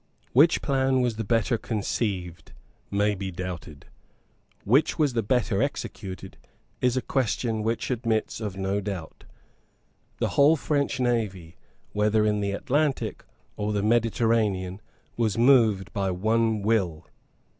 Which plan was the better conceived may be doubted. Which was the better executed is a question which admits of no doubt. The whole French navy, whether in the Atlantic or in the Mediterranean, was moved by one will.